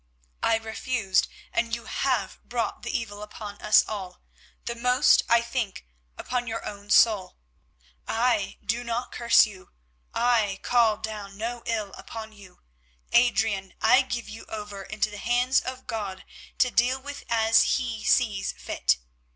I refused, and you have brought the evil upon us all, but most, I think, upon your own soul. I do not curse you, I call down no ill upon you; Adrian, I give you over into the hands of God to deal with as He sees fit.